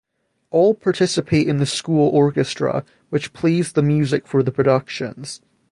All participate in the school orchestra, which plays the music for the productions.